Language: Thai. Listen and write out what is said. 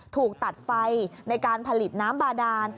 ถูกตัดไฟในการผลิตน้ำบาดาน